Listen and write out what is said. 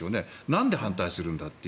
なんで反対するんだって。